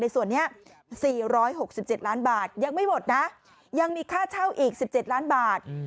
ส่วนนี้๔๖๗ล้านบาทยังไม่หมดนะยังมีค่าเช่าอีก๑๗ล้านบาท